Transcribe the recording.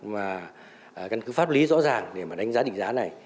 mà căn cứ pháp lý rõ ràng để mà đánh giá định giá này